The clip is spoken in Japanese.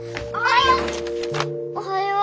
おはよう！